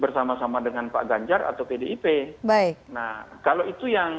bebannya mereka punya kesempatan untuk melakukan karakter siswa mereka sendiri